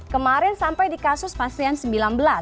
kemarin sampai di kasus pasien sembilan belas